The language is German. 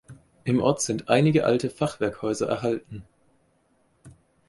Im Ort sind einige alte Fachwerkhäuser erhalten.